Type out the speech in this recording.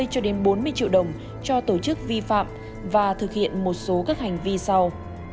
cho đến bốn mươi triệu đồng cho tổ chức vi phạm và thực hiện một số các hành vi sau